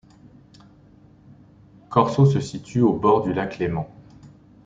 Corseaux se situe au bord du lac Léman.